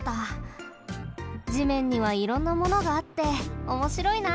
地面にはいろんなものがあっておもしろいな。